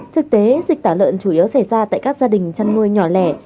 thực tế dịch tả lợn chủ yếu xảy ra tại các gia đình chăn nuôi nhỏ lẻ